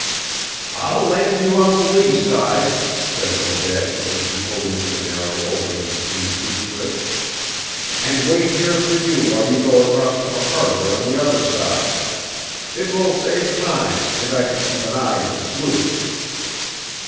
"I'll land you on the lee side," said Obed, as he pulled into a narrow opening between two cliffs, "and wait here for you while you go across to the harbor on the other side. It will save time, and I can keep an eye on the sloop."